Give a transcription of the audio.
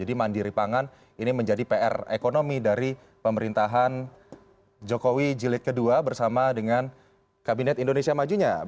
jadi mandiri pangan ini menjadi pr ekonomi dari pemerintahan jokowi jilid ii bersama dengan kabinet indonesia majunya